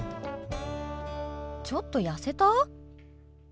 ちょっと痩せた？